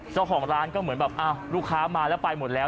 เจ้าของร้านก็เหมือนแบบอ้าวลูกค้ามาแล้วไปหมดแล้ว